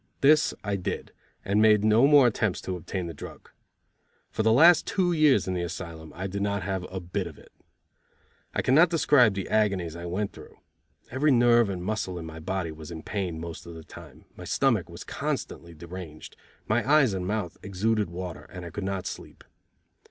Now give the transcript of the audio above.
This I did, and made no more attempts to obtain the drug. For the last two years in the asylum I did not have a bit of it. I can not describe the agonies I went through. Every nerve and muscle in my body was in pain most of the time, my stomach was constantly deranged, my eyes and mouth exuded water, and I could not sleep.